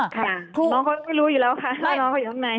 ค่ะน้องเขาไม่รู้อยู่แล้วค่ะ